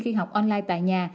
khi học online tại nhà